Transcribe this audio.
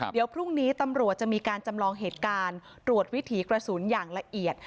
เดี๋ยวพรุ่งนี้ตำรวจจะมีการจำลองเหตุการณ์ตรวจวิถีกระสุนอย่างละเอียด